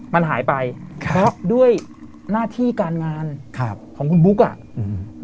มันหายไปครับเพราะด้วยหน้าที่การงานครับของคุณบุ๊กอ่ะอืม